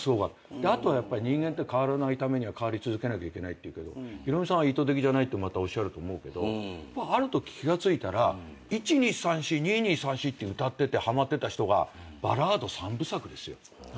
後は人間って変わらないためには変わり続けなきゃいけないっていうけどひろみさんは意図的じゃないっておっしゃると思うけどあるとき気が付いたら１２３４２２３４って歌っててはまってた人がバラード３部作ですよ。